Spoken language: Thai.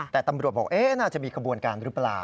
แต่ตำรวจบอกน่าจะมีขบวนการหรือเปล่า